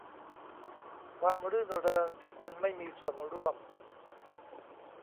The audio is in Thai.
ความรื่นเริงที่คุณไม่มีส่วนร่วม